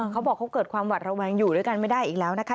เขาบอกเขาเกิดความหวัดระแวงอยู่ด้วยกันไม่ได้อีกแล้วนะคะ